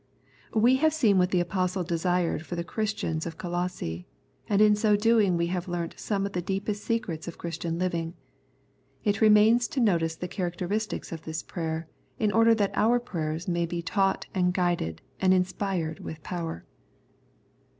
We have seen what the Apostle desired for the Christians of Colosse, and in so doing we have learnt some of the deepest secrets of Christian living. It remains to notice the characteristics of this prayer, in order that our prayers may be taught and guided and inspired with power.